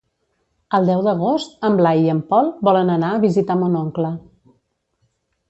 El deu d'agost en Blai i en Pol volen anar a visitar mon oncle.